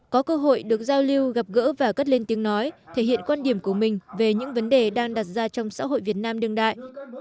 có cơ hội được giao lưu gặp gỡ và cất lên tiếng nói thể hiện quan điểm của mình về những vấn đề đang đặt ra trong xã hội việt nam đương đại